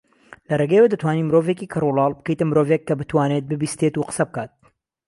لەرێگەیەوە دەتوانین مرۆڤێکی کەڕولاڵ بکەیتە مرۆڤێک کە بتوانێت ببیستێت و قسە بکات